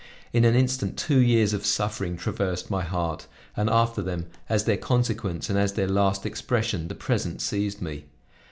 In an instant two years of suffering traversed my heart, and after them, as their consequence and as their last expression, the present seized me.